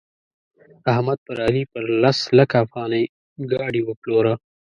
احمد پر علي په لس لکه افغانۍ ګاډي وپلوره.